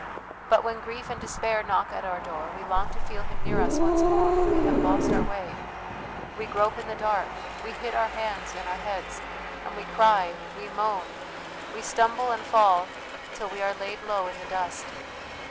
But when grief and despair knock at our door, we long to feel Him near us once more, but we have lost our way. We grope in the dark, we hit our hands and our heads, we cry, and we moan, we stumble and fall till we are laid low in the dust.